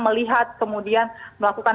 melihat kemudian melakukan